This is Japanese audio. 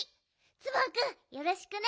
ツバンくんよろしくね。